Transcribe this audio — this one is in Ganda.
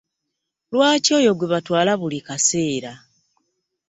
Lwaki oyo gwe batwala buli kaseera?